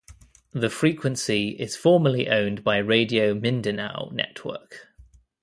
The frequency is formerly owned by Radio Mindanao Network.